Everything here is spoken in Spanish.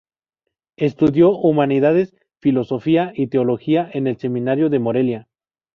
Estudió Humanidades, Filosofía y Teología en el Seminario de Morelia.